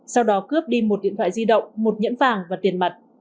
sau đó cướp đi một điện thoại di động một nhẫn vàng và tiền mặt